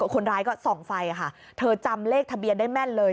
คนร้ายก็ส่องไฟค่ะเธอจำเลขทะเบียนได้แม่นเลย